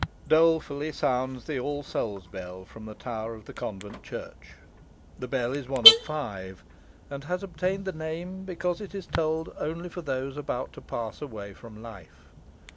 Dolefully sounds the All Souls' bell from the tower of the convent church. The bell is one of five, and has obtained the name because it is tolled only for those about to pass away from life.